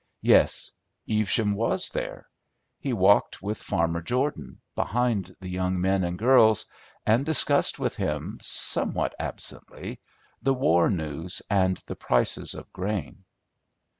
Yes, Evesham was there. He walked with Farmer Jordan, behind the young men and girls, and discussed with him, somewhat absently, the war news and the prices of grain.